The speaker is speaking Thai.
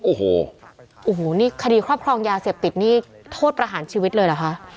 โอ้โหโอ้โหนี่คดีครอบครองยาเสพติดนี่โทษประหารชีวิตเลยเหรอคะ